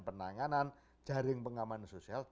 penanganan jaring pengaman sosial